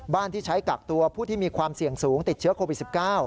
ที่ใช้กักตัวผู้ที่มีความเสี่ยงสูงติดเชื้อโควิด๑๙